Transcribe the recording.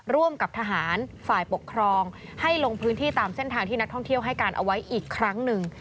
ร่วมกับทหารฝ่ายปกครองให้ลงพื้นที่ตามเส้นทางที่นักท่องเที่ยวให้การเอาไว้อีกครั้งหนึ่ง